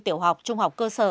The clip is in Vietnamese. tiểu học trung học cơ sở